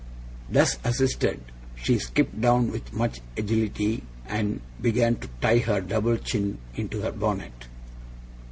Thus assisted, she skipped down with much agility, and began to tie her double chin into her bonnet.